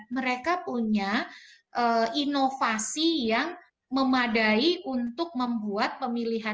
mereka punya inovasi yang memadai untuk membuat pemilihan